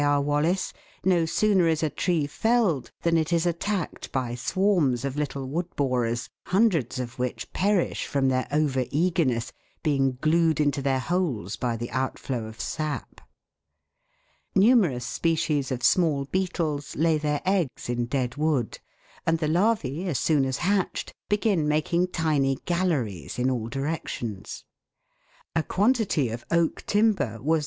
R. Wallace, no sooner is a tree felled than it is attacked by swarms of little wood borers, hundreds of which perish from their over eagerness, being glued into their holes by the outflow of sap. Numerous species of small beetles lay their eggs in dead wood, and the larvae, as soon as hatched, begin making tiny galleries in all directions. A quantity of oak timber was WOOD EAT ING BEETLES.